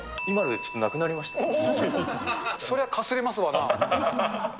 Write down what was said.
そりゃかすれますわな。